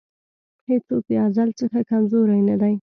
هېڅوک د ازل څخه کمزوری نه دی.